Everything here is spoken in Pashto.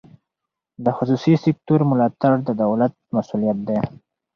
د خصوصي سکتور ملاتړ د دولت مسوولیت دی.